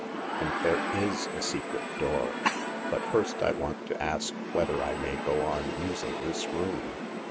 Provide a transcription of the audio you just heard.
" And there is a secret door. But first I want to ask whether I may go on using this room.